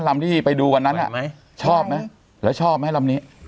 ลำนี้ไปดูวันนั้นให้ชอบไหมหรือชอบไหมลำนี้